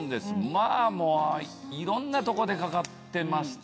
まぁもういろんなとこでかかってました。